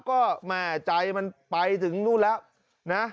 ก็แม่ใจมันไปถึงนู่นแล้วนะ